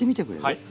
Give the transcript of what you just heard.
はい。